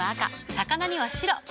魚には白。